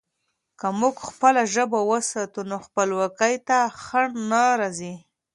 که موږ خپله ژبه وساتو، نو خپلواکي ته خنډ نه راځي.